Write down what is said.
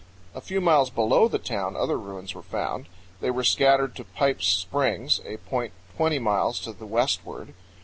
A few miles below the town other ruins were found. They were scattered to Pipe's Springs, a point twenty miles to the westward.